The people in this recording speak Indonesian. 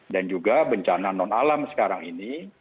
dan juga bencana non alam sekarang ini